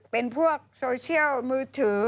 เป็นพวกโซเชียลมือถือ